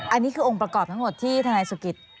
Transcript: อันนี้คือองค์ประกอบทั้งหมดที่ธนายสุกิต